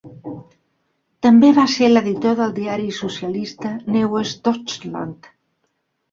També va ser l'editor del diari socialista Neues Deutschland.